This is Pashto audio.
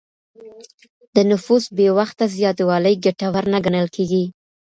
د نفوس بې وخته زياتوالی ګټور نه ګڼل کيږي.